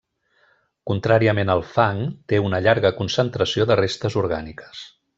Contràriament al fang té una llarga concentració de restes orgàniques.